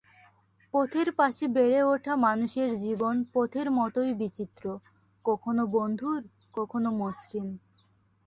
পথের পাশে বেড়ে ওঠা মানুষের জীবন পথের মতোই বিচিত্র—কখনো বন্ধুর, কখনো মসৃণ।